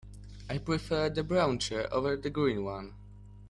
I prefer the brown chair over the green one.